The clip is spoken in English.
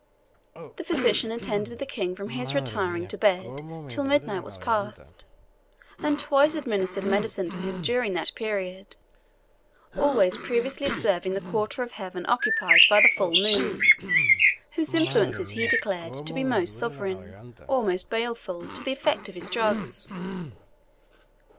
The physician attended the King from his retiring to bed till midnight was past, and twice administered medicine to him during that period, always previously observing the quarter of heaven occupied by the full moon, whose influences he declared to be most sovereign, or most baleful, to the effect of his drugs.